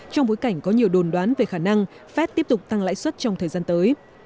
trong bối cảnh có nhiều đồn đoán về khả năng phép tiếp tục tăng lãi suất trong thời gian tới